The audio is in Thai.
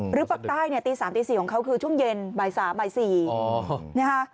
หรือปลาใต้ตี๓๔ของเค้าคือช่วงเย็นบ่าย๓๔นะฮะ